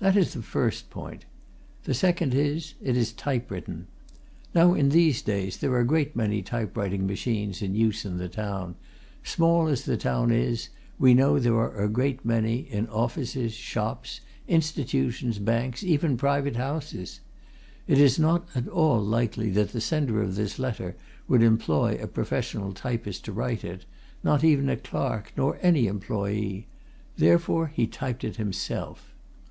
That is the first point. The second is it is typewritten. Now, in these days, there are a great many typewriting machines in use in the town; small as the town is, we know there are a great many, in offices, shops, institutions, banks, even private houses. It is not at all likely that the sender of this letter would employ a professional typist to write it, not even a clerk, nor any employé therefore he typed it himself.